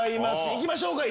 行きましょうか！